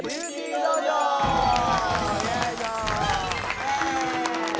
イエーイ！